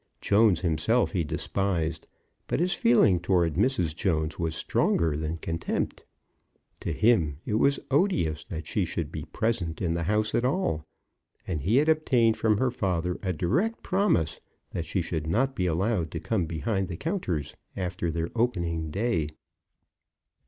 Jones himself he despised, but his feeling towards Mrs. Jones was stronger than contempt. To him it was odious that she should be present in the house at all, and he had obtained from her father a direct promise that she should not be allowed to come behind the counters after this their opening day.